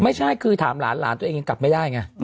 ไม่ใช่คือถามหลานหลานตัวเองยังกลับไม่ได้ไง